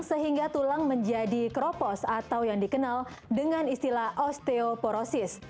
sehingga tulang menjadi kropos atau yang dikenal dengan istilah osteoporosis